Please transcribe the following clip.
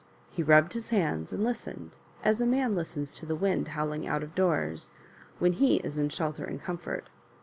He rubbed bis hands and lis tened, as a man listens to the wind howling out of doors, when he is in shelter and comfort.